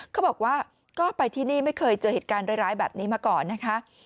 เขาบอกว่าก็ไปที่นี่ไม่เคยเจอเหตุการณ์ร้ายแบบนี้มาก่อนนะคะ